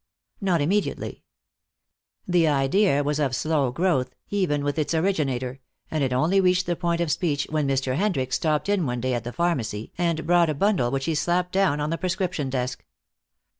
Not immediately. The idea was of slow growth even with its originator, and it only reached the point of speech when Mr. Hendricks stopped in one day at the pharmacy and brought a bundle which he slapped down on the prescription desk.